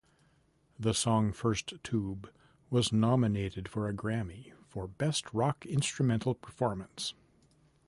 The song "First Tube" was nominated for a Grammy for Best Rock Instrumental Performance.